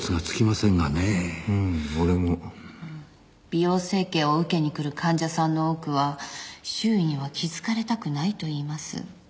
美容整形を受けにくる患者さんの多くは周囲には気づかれたくないと言います。